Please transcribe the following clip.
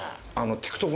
ＴｉｋＴｏｋ